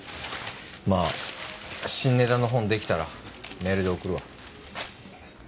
まぁ新ネタの本出来たらメールで送るわ。